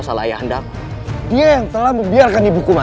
siliwangnya adalah musuh besarku